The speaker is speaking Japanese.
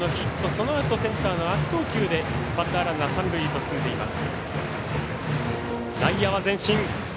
そのあとセンターの悪送球でバッターランナー三塁へと進んでいます。